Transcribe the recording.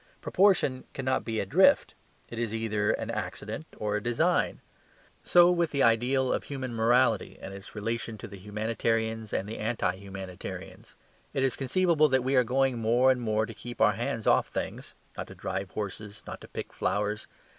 Proportion cannot be a drift: it is either an accident or a design. So with the ideal of human morality and its relation to the humanitarians and the anti humanitarians. It is conceivable that we are going more and more to keep our hands off things: not to drive horses; not to pick flowers.